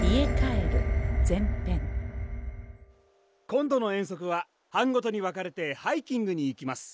・今度の遠足は班ごとに分かれてハイキングに行きます。